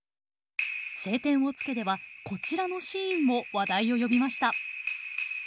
「青天を衝け」ではこちらのシーンも話題を呼びました。